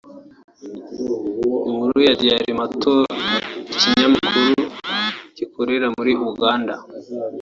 Inkuru ya Dailmonitor ikinyamakuru gikorera muri Uganda